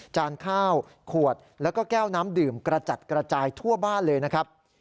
จานข้าวขวดแล้วก็แก้วน้ำดื่มกระจัดกระจายทั่วบ้านเลยนะครับ